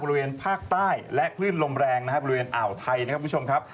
บริเวณภาคใต้และคลื่นลมแรงนะครับบริเวณอ่าวไทยนะครับคุณผู้ชมครับ